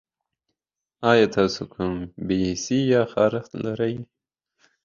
ایا تاسو کوم بې حسي یا خارښت لرئ؟